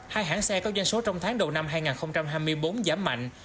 hai hãng xe có doanh số trong tháng đầu năm hai nghìn hai mươi bốn giảm mạnh